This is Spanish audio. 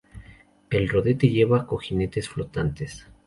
El rodete lleva cojinetes flotantes.